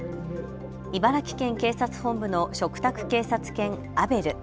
茨城県警察本部の嘱託警察犬、アベル。